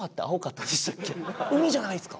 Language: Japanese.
海じゃないんすか？